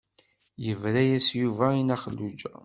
Yebra-yas Yuba i Nna Xelluǧa.